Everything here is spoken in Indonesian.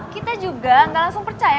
kita juga gak langsung percaya